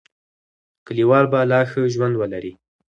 کلیوال به لا ښه ژوند ولري.